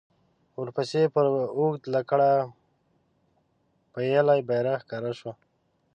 ورپسې پر يوه اوږده لکړه پېيلی بيرغ ښکاره شو.